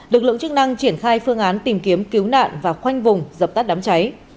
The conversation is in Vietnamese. lực lượng chức năng triển khai phương án tìm kiếm cứu nạn và khoanh vùng dập tắt đám cháy